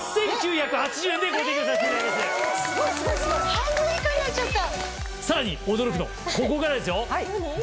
半分以下になっちゃった！